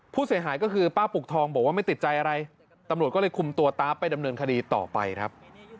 ผู้เสียหายก็คือป้าปุกทองบอกว่าไม่ติดใจอะไรตำรวจก็เลยคุมตัวตาฟไปดำเนินคดีต่อไปครับ